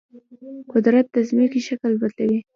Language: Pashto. قدرت د ځمکې شکل بدلوي.